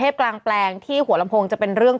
เป็นการกระตุ้นการไหลเวียนของเลือด